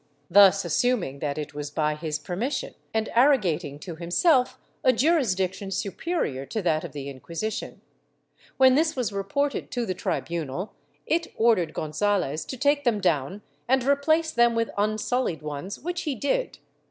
432 DECADENCE AND EXTINCTION [Book IX thus assuming that it was by his permission, and arrogating to himself a jurisdiction superior to tliat of the Inquisition. When this was reported to the tribunal it ordered Gonzalez to take them down and replace them with unsullied ones, which he did.